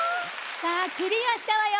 さあクリアしたわよ！